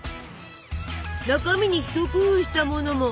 中身に一工夫したものも。